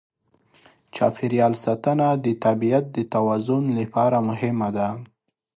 د چاپېریال ساتنه د طبیعت د توازن لپاره مهمه ده.